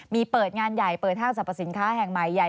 มีเปิดงานใหญ่เปิดห้างสรรพสินค้าแห่งใหม่ใหญ่